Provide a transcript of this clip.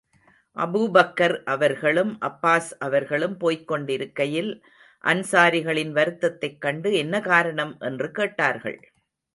Abu Bakr அவர்களும், அப்பாஸ் அவர்களும் போய்க் கொண்டிருக்கையில், அன்ஸாரிகளின் வருத்ததைக் கண்டு என்ன காரணம்? என்று கேட்டார்கள்.